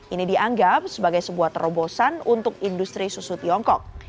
ini dianggap sebagai sebuah terobosan untuk industri susu tiongkok